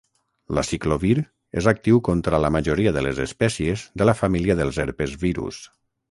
L'aciclovir és actiu contra la majoria de les espècies de la família dels herpesvirus.